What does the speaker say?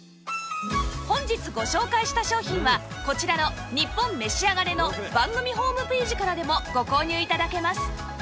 本日ご紹介した商品はこちらの『ニッポンめしあがれ』の番組ホームページからでもご購入頂けます